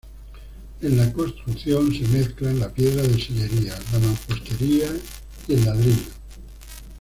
En la construcción se mezclan la piedra de sillería, la mampostería y el ladrillo.